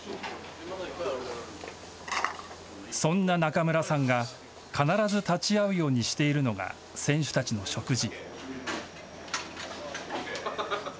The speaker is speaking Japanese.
そんな中村さんが必ず立ち会うようにしているのが選手たちの食事。